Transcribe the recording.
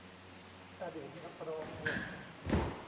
อดีตนักร้องวง